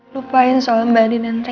lupain soal mbak adin dan rena